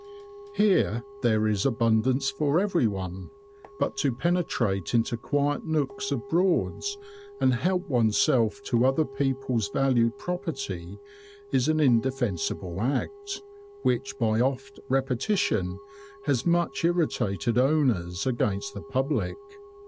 Here there is abundance for everyone; but to penetrate into quiet nooks of Broads and help oneself to other people's valued property, is an indefensible act, which by oft repetition has much irritated owners against the public.